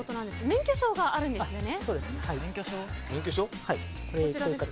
免許証があるんですね。